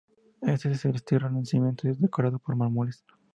Este es de estilo renacimiento y decorado con mármoles.